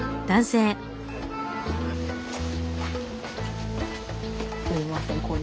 すみません。